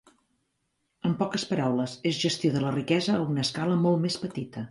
En poques paraules, és gestió de la riquesa a una escala molt més petita.